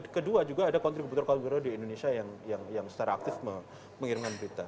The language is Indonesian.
kedua juga ada kontributor kontributor di indonesia yang setelah aktif mengirim